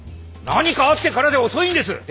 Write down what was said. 何かあってからじゃ遅いんです！